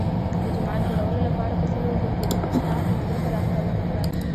د جماعت جوړولو لپاره په سلو وگرځېدم. چا کومه مرسته راسره ونه کړه.